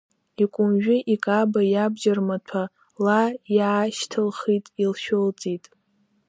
Икәымжәы, икаба, иабџьармаҭәа ла иаашьҭылхит, илшәылҵеит.